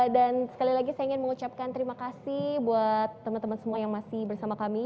dan sekali lagi saya ingin mengucapkan terima kasih buat teman teman semua yang masih bersama kami